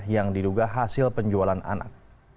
yang diduga hasil penjualan anak